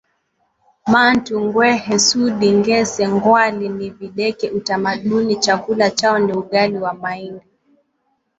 mahtu ngwehe sudi ngese ngwali ni videkeUtamaduni Chakula chao ni ugali wa mahindi